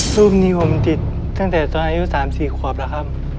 รูปนี้ผมติดตั้งแต่ตอนอายุ๓๔ขวบแล้วครับ